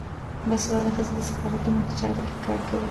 باسواده ښځې د سفارتونو په چارو کې کار کوي.